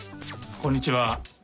こんにちは。